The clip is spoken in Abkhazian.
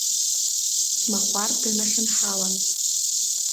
Смахәар днахьынҳалан.